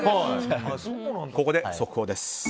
ここで速報です。